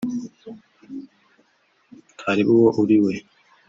ntareba uwo uri we